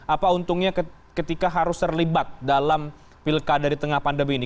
apa untungnya ketika harus terlibat dalam pilkada di tengah pandemi ini